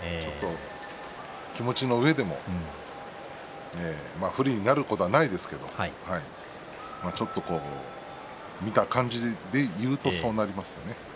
気持ちのうえでも不利になることはないですけれどちょっと見た感じで言うとするとそうなりますね。